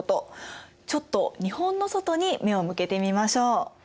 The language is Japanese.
ちょっと日本の外に目を向けてみましょう。